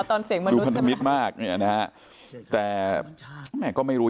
อ๋อตอนเสียงมนุษย์ดูพรณมิตรมากแบบนี้โอเคแต่ไร่ก็ไม่รู้